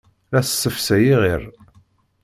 La tessefsay iɣir.